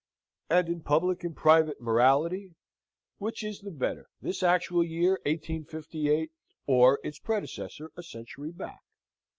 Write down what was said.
And in public and private morality? Which is the better, this actual year 1858, or its predecessor a century back?